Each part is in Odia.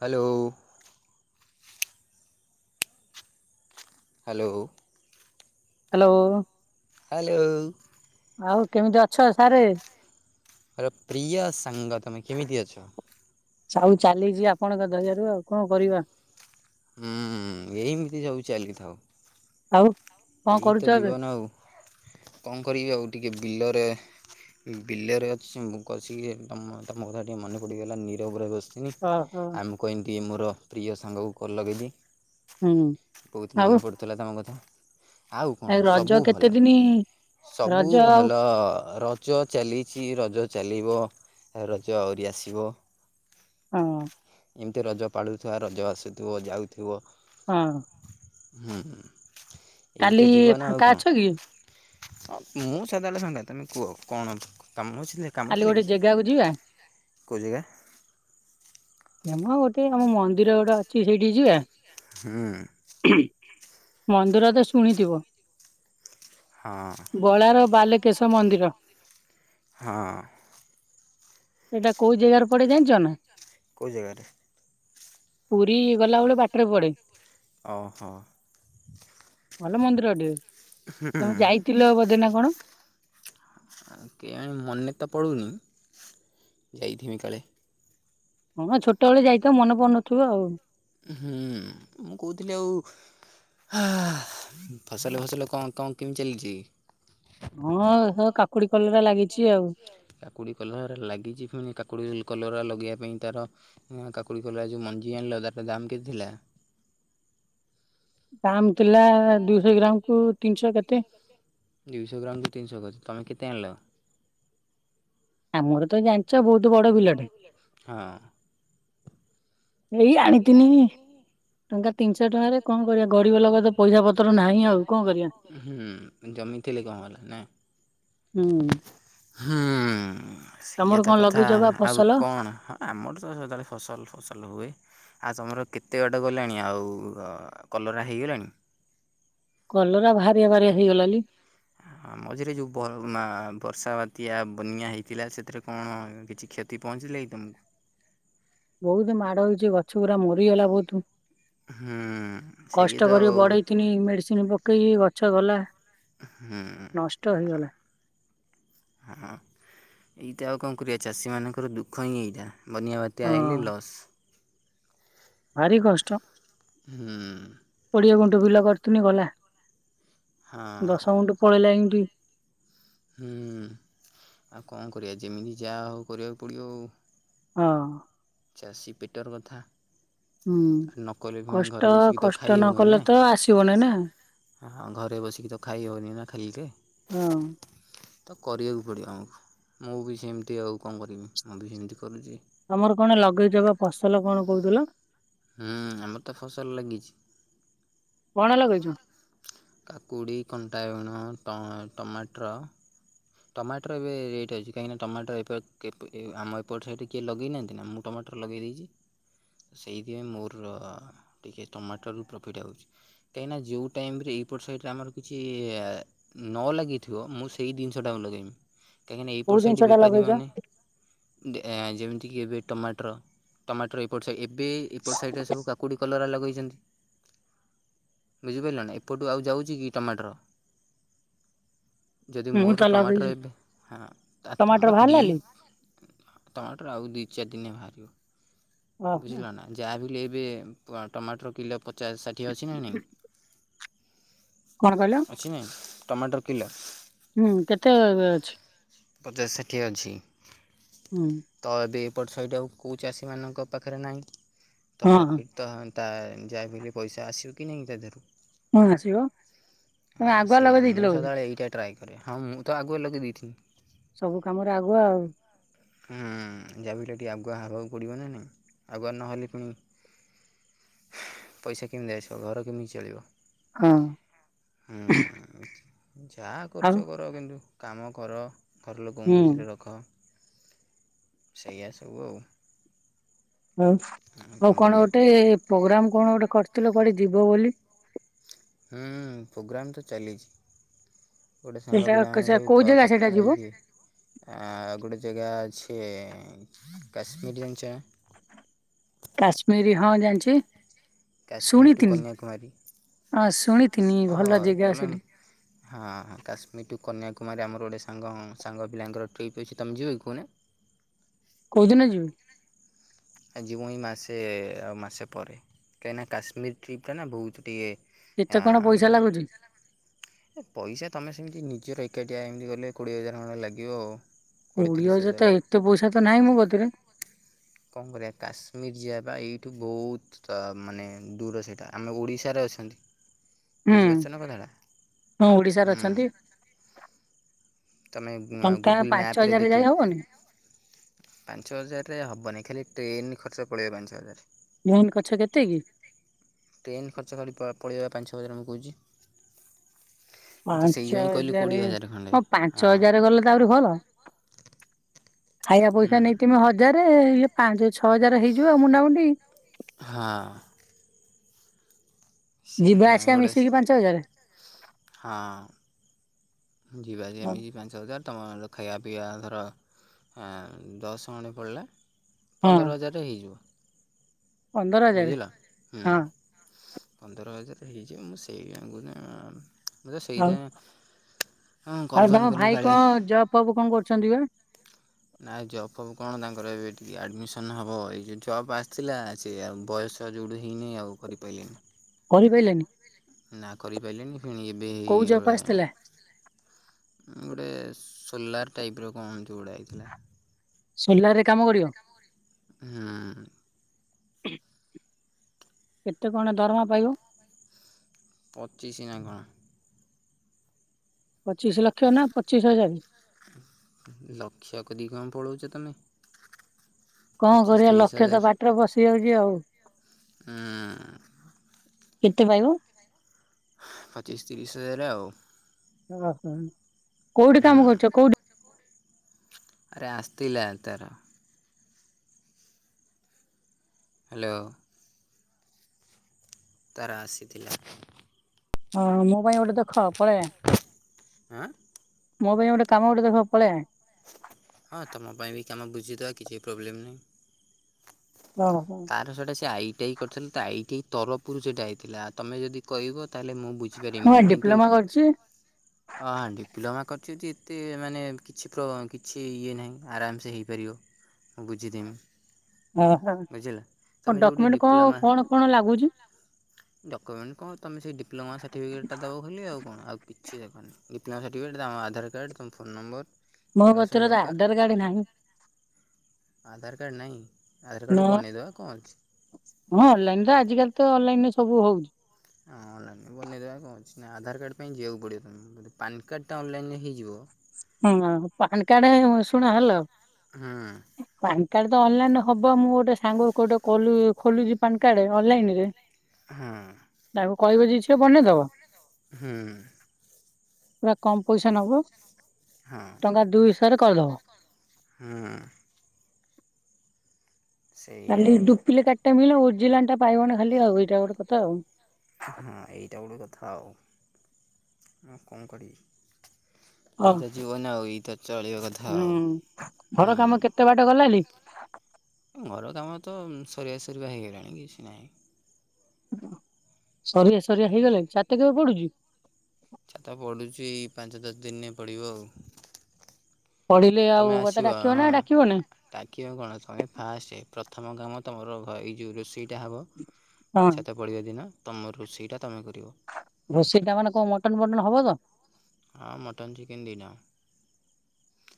ହ୍ୟାଲୋ। ହ୍ୟାଲୋ। ହାଲୋ। ହାଲୋ। ଆଉ କେମିତି ଅଛ ସାରେ? ମୋର ପ୍ରିୟ ସାଙ୍ଗ ତୁମେ କେମିତି ଅଛ? ଆଉ ଚାଲିଚି ଆପଣଙ୍କ ଦୟା ରୁ ଆଉ କଣ କରିବା? ହୁଁ ଏମିତି ସବୁ ଚାଲିଥାଉ। ଆଉ କଣ ଏଇ କରୁଛ ତ ଏବେ? ଜିବନ ଆଉ କଣ କରିବି ଆଉ ଟିକେ ବିଲରେ ବିଲରେ ଅଛି ମୁଁ ବଛିି ତମ ତମ କଥା ଟିକେ ମନେ ପଡିଗଲା ନିରବରେ ବସି ଇନି ଓହୋ ଆ, ମୁଁ କଇନି ଟିକେ ମୋର ପ୍ରିୟ ସାଙ୍ଗକୁ କଲ୍ ଲଗେଇବି। ହୁଁ ବହୁତ ଆଉ ମନେ ପଡ଼ୁଥିଲା ତୋମ କଥା। ଆଉ କଣ ରଜ ସବୁ କେତେ ଭଲ, ଦିନି ସବୁ ରଜ ଆଉ ଭଲ ର ଜ ଚାଲିଛି ରଜ ଚାଲିବ, ଏ ରଜ ଆଉରି ଆସିବ। ହଁ। ଏମିତି ରଜ ପାଳୁଥିବା ରଜ ଆସୁଥିବ ଯାଉଥିବ। ହଁ। ହୁଁ, ଏଇ କାଲି ତ ଜୀବନ ଆଉ ଫାଙ୍କା ଅଛ କଣ। କି? ହଁ ମୁଁ ସଦାବେଳେ ଫାଙ୍କା, ତୋମେ କୁଅ କଣ କାମ ଅଛି ଲେ କାମ କାଲି ଥିଲା ଗୋଟେ କି, ଜେଗାକୁ ଯିବା କୋଉ ଜାଗା? ୟାମ ଗୋଟେ ଆମ ମନ୍ଦିର ଗୋଟେ ଅଛି ସେଇଠିକି ଯିବା? ହୁଁ। ମନ୍ଦିର ତ ଶୁଣିଥିବ? ହଁ। ବଳାର ବାଲକେଶ ମନ୍ଦିର। ହଁ। ସେଟା କୋଉ ଜାଗାରେ ପଡେ ଜାଣିଚ ନା? କୋଉ ଜାଗାରେ? ପୁରୀ ଗଲାବେଳେ ବାଟରେ ପଡେ। ଓହୋ। ଭଲ ମନ୍ଦିର ଟେ। ହୁଁ। ଆ, କେଆଣି ମନେ ତ ପଡ଼ୁନି ଯାଇଥିମି କାଳେ। ହଁ ମୋ ଛୋଟବେଳେ ଯାଇଥିବ ମନେ ପଡୁନଥିବ ଆଉ। ହୁଁ ମୁଁ କଉଥିଲି ଆଉ ହଁ ଫସଲ ଫସଲ କଣ କଣ କେମିତି ଚାଲିଚି? କଣ ସେ କାକ କାକୁଡି, କଲରା ଲାଗିଚି ଆଉ। କାକୁଡ଼ି, କଲର ଲାଗିଛି, ପୁଣି କାକୁଡ଼ି, କଲରା ଲଗେଇବା ପାଇଁ ତାର ହଁ କାକୁଡି, କଲରା ଯୋଉ ମଞ୍ଜି ଆଣିଲେ ତାର ଟା ଦାମ୍ କେତେ ଥିଲା? ଦାମ୍ ଥିଲା ଦୁଇଶ ଗ୍ରାମ୍ କୁ ତିନିଶ କେତେ। ଦୁଇଶ ଗ୍ରାମ୍ କୁ ତିିନିଶ କରି। ତୋମେ କେତେ ଆଣିଲ? ଆମର ତ ଜାଣିଚ ବହୁତ ବଡ ବିଲଟେ। ହଁ। ଏଇ ଆଣିଥିନି ଟଙ୍କା ତ ତିନିଶ ଟଙ୍କାରେ କଣ କରିବା, ଗରିବ ଲୋକ ତ ପଇସା ପତର ନାହିଁ ଆଉ କଣ କରିବା। ଜମିଥିଲି କଣ ହେଲା ନାଇଁ? ହୁଁ। ହୁଁ ସେଇଆ ତମର ତ କଣ କଥା, ଲଗେଇଛ ବା ଆଉ ଫସଲ? କଣ? ହଁ ଆମର ତ ସଦାବେଳେ ଫସଲ ଫସଲ ହୁଏ, ଆଉ ତୋମର କେତେ ବାଟ ଗଲାଣି? ଆଉ ଉ, ଅ, କଲରା ହେଇଗଲାଣି? କଲରା ବାହାରିଆ ବାହାରିଆ ହେଇଗଲାନି। ହଁ ମଝିରେ ଯୋଉ ବ-ନା- ବର୍ଷା, ବାତ୍ଯା, ବନ୍ୟା ହେଇଥିଲା ସେଥିରେ କଣ କିଛି କ୍ଷ ତି ପହଞ୍ଚିଲା କି ତୋମକୁ? ବହୁତ ମାଡ ହେଇଛି, ଗଛ ଗୁରା ମରିଗଲା ବହୁତୁ। ହୁଁ ସେଇଆ ତ କଷ୍ଟକରି ଆଉ ବଢେଇଥିନି ମେଡିସିନ ପକେଇକି ଗଛ ଗଲା। ନଷ୍ଟ ହେଇଗଲା ହୁଁ। ହଁ ଏଇଟା ଆଉ କଣ କରିବା ଚାଷୀମାନଙ୍କର ଦୁଃଖ ହିଁ ଏଇଟା। ବନିଆ ବାତିଆ ହଁ ଆଇଲି ଲସ୍। ଭାରି କଷ୍ଟ। ହୁଁ। କୋଡିଏ ଗୁଣ୍ଠୁ ବିଲ କରିଥନି ଗଲା ହଁ ଦଶ ଗୁଁଠୁ ପଳେଇଲା ଏମତି। ହୁଁ ଆଉ କଁ କରିବା ଯେମିତି ଯାହା ହୋଉ କରିବାକୁ ପଡ଼ିବ ଆଉ। ହଁ। ଚାଷୀ ପେଟର କଥା। ହୁଁ। ଆ ନକଲେ ଫୁଣି କଷ୍ଟ ଘରେ ବସିକି ତ କଷ୍ଟ ନ ଖାଇହବନି କଲେ ନା। ତ ଆସିବନି ନା ଆ ଘରେ ବସିକି ତ ଖାଇ ହବନି ନା ଖାଲିରେ। ହଁ। ତ କରିବାକୁ ପଡ଼ିବ ଆମକୁ ମୁଁ ବି ସେମିତି ଆଉ କଣ କରିବି ମୁଁ ବି ସେମିତି କରୁଚି। ତମର କଣ ଲଗେଇଚ ବା ଫସଲ କଣ କହୁଥିଲ? ହୁଁ ଆମର ତ ଫସଲ ଲାଗିଛି। କଣ ଲଗେଇଚ? କାକୁଡ଼ି କଣ୍ଟା ବୁଣ ଟ ଟମାଟର। ଟମାଟର ଏବେ ରେଟ୍ ଅଛି କାହିଁକିନା ଟମାଟର ଏପଟ ଆମ ଏପଟ ସାଇଟ କିଏ ଲଗେଇନାହାନ୍ତି ନା ମୁଁ ଟମାଟର ଲଗେଇ ଦେଇଛି ସେଇଥିପାଇଁ ମୋର ଟିକିଏ ଟମାଟରୁ ପ୍ରଫିଟ୍ ଆଉଛି। କାହିଁକିନା ଜୋଉ ଟାଇମରେ ଏଇପଟ ସାଇଟରେ ଆମର କିଛି ନ ଲାଗିଥିବ ମୁଁ ସେଇ ଜି ସେଟା କୁ ଲଗେଇମି କାହିଁକି ନା ଏଇ କୋଉ ପଟ୍ ଜିନିଷ ସାଇଟି ଟା ବେପାରୀ ଲଗେଇଛ? ମାନେ ଯେମିତିକି ଏବେ ଟମାଟର ଟମାଟର ଏପଟ ସାଇଡ଼୍ ଏବେ ଏପଟ ସାଇଡ଼ରେ ସବୁ କା କୁଡ଼ି କଲରା ଲଗେଇଛନ୍ତି। ବୁଝିପାଆଇଲ ନା ଏପଟୁ ଆଉ ଯାଉଛି କି ଟମାଟର। ଯଦି ମୁଁ ତ ମୋର ଟମାଟର ଲଗେଇଛି ଏବେ ହଁ ଟମାଟର ଟମା ବାହାରିଲାଣି ଟମାଟର ଆଉ ଦି ଚାର ଦିନେ ବାହାରିବ। ଓହୋ ବୁଝିଲ ନା ଯାହା ବିି ଏଲବେ ଟମାଟର କିଲ ପଚ ଚାସ ଷାଠିଏ ଅଛି ନା ନାହିଁ। କଣ କହିଲ? ଅଛି ନାଇଁ ଟମାଟର କିଲ। ହୁଁ କେତେ ଅଛି? ପଚାଶ ଷାଠିଏ ଅଛି। ହୁଁ। ତ ଏବେ ଏପଟ ସେଇଟ ଆଉ କୋଉ ଚାଷୀମାନଙ୍କ ପାଖରେ ନାହିଁ ତ ହଁ ହଁ ପ୍ରଫିଟ୍ ତ ତା ଯାଆବିଲେ ପଇସା ଆସିବ କି ନାହିଁ ତା ଦେହରୁ। ହଁ ଆସିବ ଆ ତମେ ଆଗୁଆ ସେଇଆ ଲଗେଇ ଦେଇଥିଲ ମୁଁ ବୋଧେ ସଦାବେଳେ ଏଇଟା ଟ୍ରାଏ କରେ, ହଁ ମୁଁ ତ ଆଗୁ ଲଗେଇ ଦେଇଥିନି। ସବୁ କାମରେ ଆଗୁଆ ଆଉ। ହୁଁ, ଯାହାବି ହେଲେ ଟିକେ ଆଗୁଆ ହବାକୁ ପଡ଼ିବ ନା ନାଇଁ ଆଗୁଆ ନହେଲେ ପୁଣି ପଇସା କେମିତି ଆସିବ, ଘର କେମିତି ଚଳିବ? ହଁ। ହୁଁ, ଯାଆ ଆଉ କରୁଛ କର କିନ୍ତୁ କାମ କର। ଘର ଲୋକଙ୍କୁ ହୁଁ। ଖୁସିରେ ରଖ, ସେଇଆ ସବୁ ଆଉ। ଉଁ, ମୁଁ କଣ ଗୋଟେ ପୋଗ୍ରାମ କଣ ଗୋଟେ କରିଥିଲ କୁଆଡେ ଯିବ ବୋଲି? ହୁଁ ପ୍ରୋଗ୍ରାମ୍ ତ ଚାଲିଛି। ଗୋଟେ ସାଙ୍ଗ ସେଇଟା ପିଲାମାନେ ସେ ସବୁ କୋଉ ଜାଗା ସେଇଟା କଥା ଯିବ ହେଇକି ଆଉ ଗୋଟେ ଜାଗା ଅଛି କାଶ୍ମୀର ଜାଣିଛ? କାଶ୍ମୀରୀ ହଁ ଜାଣିଛି। କାଶ୍ମୀର ଟୁ କନ୍ୟାକୁମାରୀ ଶୁଣିଥିନି ଶୁଣିଥିନି ଓ ଭଲ ଜାଗା ତମେ ହଁ ସେଠି ହଁ କାଶ୍ମୀର ଟୁ କନ୍ୟାକୁମାରୀ ଆମର ଗୋଟେ ସାଙ୍ଗ ସାଙ୍ଗ ପିଲାଙ୍କର ଟ୍ରିପ୍ ଅଛି ତୁମେ ଯିବ କି କହୁନା। କୋଉଦିନ ଯିବି? ଆ ଜିିବୁ ଏଇ ମାସେ ଆଉ ମାସେ ପରେ କାହିଁକିନା କାଶ୍ମୀର ଟ୍ରିପ୍ଟ ଟା ନା ବହୁତ ଟିକେ ଏତେ ଆ। କଣ ପଇସା ଲାଗୁଛି ଏ ପଇସା ତମେ ସେମିତି ନିଜର ଏକାଠିଆ ଏମିତି ଗଲେ କୋଡ଼ିଏ ହଜାର ଖଣ୍ଡ ଲାଗିବ ଆଉ। କୋଡ଼ିଏ କୋଡିଏ ତିରିଶ ହଜାର ତ ଆଉ। ଏତେ ପଇସା ତ ନାହିଁ ମୋ ପାଖରେ। କଣ କରିବା କାଶ୍ମୀର ଯିବା ବା ଏଇଠୁ ବହୁତ ତ ମାନେ ଦୂର ସେଇଟା ଆମେ ଓଡ଼ିଶାରେ ଅଛନ୍ତି। ହୁଁ ବୁଝିପାରୁଛ ନା କଡ଼ା ହଁ ଓଡିଶାରେ ହୁଁ। ଅଛନ୍ତି ତୁମେ ଟଙ୍କା ଗୁଗୁଲ୍ ପାଞ୍ଚ ମ୍ୟାପ୍ ରେ ହଜାର ଯାଇ ଦେଖିବ ହବନି ପାଞ୍ଚ ହଜାରରେ ହେବନି ଖାଲି ଟ୍ରେନ୍ ଖର୍ଚ୍ଚ ପଳେଇବ ପାଞ୍ଚ ହଜାର। ମେନ କଛ କେତେ କି? ଟ୍ରେନ୍ ଖର୍ଚ୍ଚ ଖାଲି ପା ପଳେଇବା ପାଞ୍ଚ ହଜାର ମୁଁ କହୁଛି। ମୁଁ ତ ସେଇଆ ହିଁ କହିଲି କୋଡ଼ିଏ ହଜାର ଖଣ୍ଡେ ପାଞ୍ଚ ହଁ। ହଜାର ଗଲେ ତା ଆହୁରି ଭଲ। ଖାଇବା ମୁଁ ପଇସା ନେଇଥିମି ହଜାର ଇଏ ପାଞ୍ଚ ଛଅ ହଜାର ହେଇଯିବ ଆଉ ମୁଣ୍ଡାମୁଣ୍ଡି। ହଁ। ଯିବା ସେଇଦି ପାଇଁ ଆସିବା ଗୋଟେ ମିଶିକି ପାଞ୍ଚ ହଜାର ହଁ ଯିବା ଆରି ଏମିତି। ପାଞ୍ଚ ଛଅ ହଜାର ତୁମର ଖାଇବା ପିଇବା ଧର ଆଁ ଦଶ ଖଣ୍ଡେ ପଡ଼ିଲା। ହଁ ପନ୍ଦର ହଜାର ରେ ହେଇଯିବ। ପନ୍ଦର ହଜାର ବୁଝିଲ ହୁଁ ହଁ ପନ୍ଦର ହଜାର ହେଇଯିବ ମୁଁ ସେଇାକୁ ମୁ ତେ ଆଉ ସେଇଟା ହଁ କଲ ଫଲ ନ କଲି କାଳେ ବାପ ବୋଉ କଣ କରୁଛନ୍ତି ବା? ନା ଜବ ଫବ୍ କଣ ତାଙ୍କର ଏବେ ଟିକିଏ ଆଡମିସନ ହବ ଏଇ ଯଉ ଜବ୍ ଆସିଥିଲା ସେଏଉ ବୟସ ତ ଯୋଡ଼ି ହେଇନି ଆଉ କରିପାରିଲେନି। କହିପାରିଲାନି ନା କରିପାରିଲେନି ଫେଣି ଏବେ କୋଉ ଏଇ ଜବ୍ ଗୁଡା ଆସିଥିଲା ଗୋଟେ ସୋଲାର ଟାଇପ୍ ର କଣ ଏମିତି ଗୁଡ଼ା ଆଇଥିଲା। ସୋଲାର ରେ କାମ କରିବ। ହୁଁ ଉଁ। କେତେ କଣ ଦରମା ପାଇବ? ପଚିଶି ନା କଣ? ପଚିଶ ଲକ୍ଷ ନା ପଚିଶ ହଜାର। ଲକ୍ଷ କତିକି କଣ ପଳାଉଛ ତମେ? କଣ ପଚିଶ କରିବା ତିରିଶ ଲକ୍ଷ ହଜାର ତ ପାଟିରେ ପସି ଯାଉଛି ଆଉ। ହୁଁ। କେତେ ପାଇବ? ପଚିଶ ତିରିଶ ହଜାର ଆଉ। ଓହୋ କୋଉଠି ହୁଁ କାମ କରୁଛ କୋଉଠି ଆରେ ଆସିଥିଲା, ତାର ହ୍ୟାଲୋ। ତାର ଆସିଥିଲା। ହଁ ମୋ ପାଇଁ ଗୋଟେ ଦେଖ [unintelligible] ଆଁ ମୋ ପାଇଁ ଗୋଟେ କାମ ଗୋଟେ ଦେଖ [unintelligible] ହଁ ତୁମ ପାଇଁ ବି କାମ ବୁଝିଦବା କିଛି ପ୍ରୋବ୍ଲେମ୍ ନାହିଁ। ହଁ ହଁ। ତ ସେଟା ସେ ଆଇ ଟି ଆଇ କରିଥିଲା ତ ଆଇ ଟି ଆଇ ତରଫପରୁ ସେଇଟା ହେଇଥିଲା ତମେ ଯଦି କହିବ ତାହେଲେ ମୁଁ ବୁ ମୁଁ ବା ବୁଝପାରବିନି, କିନ୍ତୁ ଡିପ୍ଲୋମା କରିଛି ହଁ ଡିପ୍ଲୋମା କରିଚ ଏତେ ମାନେ କିଛି ପ୍ର କିଛି ଇଏ ନାହିଁ ଆରାମସେ ହେଇପାରିବ। ବୁଝିଦେମି। ବୁଝିଲା ଓହୋ ତମେ ଯୋଉଠି ଡକ୍ୟୁମେଣ୍ଟ କଣ ଡିପ୍ଲୋମା କଣ କଣ ଲାଗୁଚି? ଡକ୍ୟୁମେଣ୍ଟ କଣ ତମେ ସେଇ ଡିପ୍ଲୋମା ସାର୍ଟିଫିକେଟା ଦେବ ଖାଲି ଆଉ କଣ ଆଉ କିଛି ଦରକାର ନାହିଁ। ଏତେ ସର୍ଟିିକଟ ତମ ଆଧାର କାର୍ଡ଼ ତୁମ ଫୋନ ନମ୍ବର। ମୋ ଏଗୁରା ସବୁ କତିରେ ତ ଦରକାର ଆଧାର କାର୍ଡ ନାହିଁ। ଆଧାର କାର୍ଡ଼ ନାହିଁ ଆଧାର କାର୍ଡ଼ ନା ବନେଇଦେବା କଣ ଅଛି। ହଁ ଅନଲାଇନ ର ଆଜିକାଲି ତ ଅନଲାଇନରେ ସବୁ ହୋଉଛି। ହଁ ଅନଲାଇରେବି ବନେଇଦବା କଣ ଅଛି ନା ଆଧାର କାର୍ଡ଼ ପାଇଁ ଯିବାକୁ ପଡ଼ିବ ତମ ଯଦି ପନ୍ କାର୍ଡ଼ଟା ଅନଲାଇନରେ ହେଇଯିବ। ହଁ ପାନ କାର୍ଡ ଶୁଣ ହେଲୋ ହୁଁ ପାନ କାର୍ଡ ତ ଅନଲାଇନ ହବ ମୁଁ ଗୋଟେ ସାଙ୍ଗ ଗୋଟେ ଖୋଲୁ ଖୋଲୁଛି ପାନ କାର୍ଡ ଅନଲାଇନରେ। ହଁ। ତାଙ୍କୁ କହିବା ଯଦି ସିଏ ବନେଇଦବ। ହୁଁ ହୁଁ। ପୁରା କମ ପଇସା ନବ। ହୁଁ। ଦୁଇ ଶହରେ ଖୋଲିଦବ। ହୁଁ ହୁଁ। ସେଇଆ କାଲି ଆଉ ଡୁପିଲିକେଟଟା ମିଳିଲ ଓଜିଲାଣି ଟା ପାଇବନି ଖାଲି ଆଉ ଏଇଟା ଗୋଟେ କଥା ଆଉ। ହଁ ଏଇଟା ଗୋଟେ କଥା ଆଉ, କଣ କରିବି? ଅ ଏଇ ତ ଜୀବନ ଆଉ ଏଇ ତ ଚଳିବା କଥା ହୁଁ ଆଉ ଘର କାମ ହୁଁ କେତେ ବାଟ ଗଲାଣି? ଘର କାମର ତ ସରିବା ସରିବା ହେଇଗଲାଣି କିଛି ନାହିଁ। ସରିଆ ସରିଆ ହେଇଗଲାଣି ଛାତ କେବେ ପଡୁଛି? ଛାତ ପଡ଼ୁଛି ପାଞ୍ଚ ଦଶ ଦିନରେ ପଡ଼ିବ ଆଉ। ପଡିଲେ ଆଉ ମତେ ଡାକିବ ନା ଡାକିବନି? ଡାକିବା କଣ ତୁମେ ଫାଷ୍ଟ ପ୍ରଥମ କାମ ତମର ଏଇ ଯେଉଁ ରୋଷେଇଟା ହେବ। ହଁ। ପଳିଆ ଦିନ ତମ ରୋଷେଇଟା ତମେ କରିବ। ରୋସାଇଟା ମାନେ କଣ ମଟନ ଫଟନ ହବ ତ? ହଁ ମଟନ୍ ଚିକେନ୍ [unintelligible]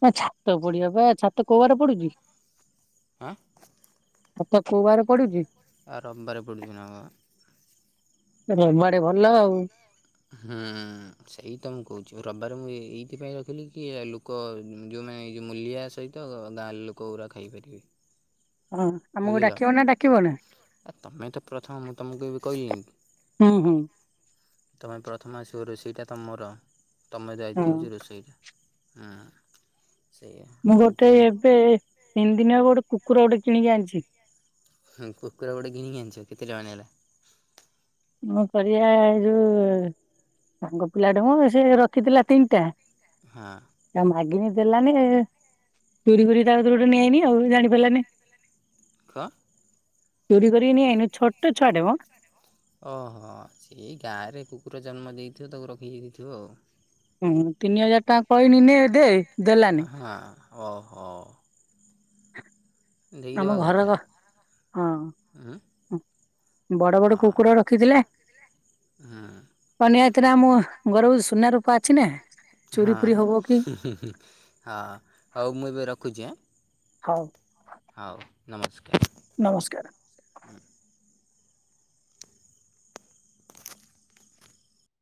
ନା ଛାତ ପଡିବା ବା ଛାତ କୋଉବାରରେ ପଡୁଛି କି? [inaudible] ଛାତ କୋଉବାର ପଡୁଛି? ଆ ରବିବାରରେ ପିଡ଼ିଛି ନାଁ। ରବାଡେ ଭଲ ଆଉ ହୁଁ ସେଇ ତ ମୁଁ କହୁଚି ରବିବାରେ ମୁଁ ଏ ଏଇଥିପାଇଁ ରଖିଲି କି ଲୋ କ ଯଉ ମେ ଏଇ ଯଉ ମୂଲିଆ ସହିତ ଗାଁ ଲୋକ ଗୁରା ଖାଇପାରିବେ। ହଁ ଆମକୁ ବୁଝିଲ ଡାକିବ ନା ଡାକିବନି? ଆ ତମେ ତ ପ୍ରଥମ ମୁଁ ତମକୁ ଏବେ କହିଲିନି କି। ହୁଁ ହୁଁ। ତମେ ପ୍ରଥମ ଆସିବ ରୋଷେଇ ଟା ତମର ତମ ହଁ ଦାୟିତ୍ଵ ହଉଚି ରୋଷେଇଟା ହାଁ। ମୁଁ ଗୋଟେ ଏବେ ତିନି ଦିନ ହେବ ଗୋଟେ କୁକୁର ଗୋଟେ କିଣିକି ଆଣିଛି। ହୁଁ କୁକୁର ଗୋଟେ କିଣିକି ଆଣିଚ କେତେ ଟଙ୍କା ନେଲା? ମ କରିବା ହେ ଯୋଉ ସାଙ୍ଗ ପିଲାଟା ମ ସେ ରଖିଥିଲା ତିନିଟା। ହଁ। ଆ ମଗିନି ଦେଲାନି ଏ। ଚୋରି କରି ତାଙ୍କ ଦୁରୁ ଗୋଟେ ନେ ନି ଆଉ ଜାଣି ପାରିଲାନି। କ ଚୋରି କରିକି ନନେଇ ଆଇଲେ ଛୋଟ ଛୁଆଡେ ମ। ଓହୋ ସେଇ ଗାଁରେ କୁକୁର ଜନ୍ମ ଦେଇଥିବ ତାକୁ ରଖିକି ଦେଇଥିବ ଆଉ। ହୁଁ ତିନି ହଜାର ଟା ହଁ ଓହୋ। ହ ଦେଇ ଦବା କଥା। ଉଁ ହଁ ବଡ ବଡ ହଁ। କୁକୁର ରଖିଥିଲେ। ହୁଁ। ପନିଆ ଥିଲା ମୁଁ ଗରୁ ସୁନ ରୁ ପା ଅଛି ନା। ଚୋରି ହଁ ଫୋରି ହବ କି ହୁଁ ହୁଁ ହଉ ମୁଁ ଏବେ ରଖୁଛି ଆଁ। ହଉ। ହଉ ନମସ୍କାର। ନମସ୍କାର। ହୁଁ।